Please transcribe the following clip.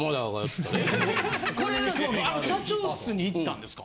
これは社長室に行ったんですか？